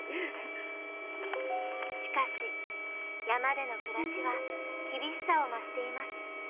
しかし、山での暮らしは厳しさを増しています。